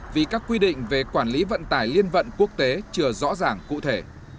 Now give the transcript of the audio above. vì các quy định về quản lý vận tải liên vận quốc tế chưa rõ ràng cụ thể